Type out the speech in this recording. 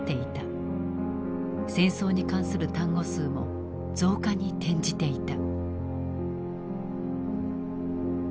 戦争に関する単語数も増加に転じていた。